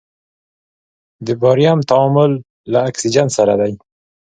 د باریم تعامل له اکسیجن سره دی.